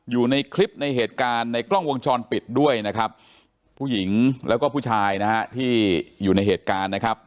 อยู่ในคลิปในเหตุการณ์ในกล้องวงจรปิดด้วยนะครับผู้หญิงแล้วก็ผู้ชายนะฮะที่อยู่ในเหตุการณ์นะครับ